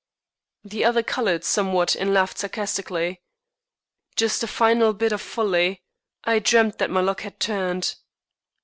The other colored somewhat and laughed sarcastically. "Just a final bit of folly. I dreamt that my luck had turned."